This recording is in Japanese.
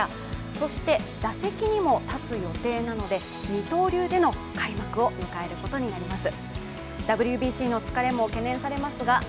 そして打席にも立つ予定なので二刀流での開幕を迎えることになります。